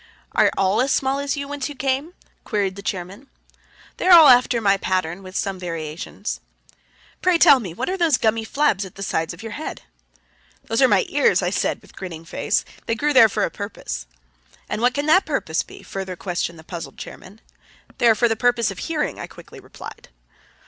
"Are all as small as you whence you came?" queried the chairman. "They are all after my pattern with some variations." "Pray, tell me, what are those gummy flabs at the sides of your head?" "Those are my ears," I said with grinning face. "They grew there for a purpose." "And what can that purpose be?" further questioned the puzzled chairman. "They are for the purpose of hearing," I quickly replied.